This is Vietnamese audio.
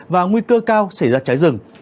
và nguy cơ cao xảy ra cháy rừng